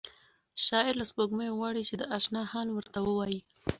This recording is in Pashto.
شاعر له سپوږمۍ غواړي چې د اشنا حال ورته ووایي.